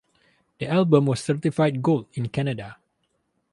The album was certified Gold in Canada.